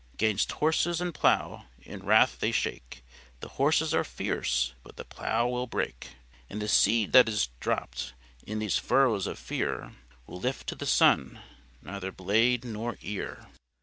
'Gainst horses and plough in wrath they shake: The horses are fierce; but the plough will break. "And the seed that is dropt in those furrows of fear, Will lift to the sun neither blade nor ear.